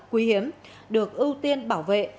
quy hiếm được ưu tiên bảo vệ